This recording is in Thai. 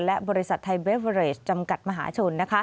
และบริษัทไทยเวอเรสจำกัดมหาชน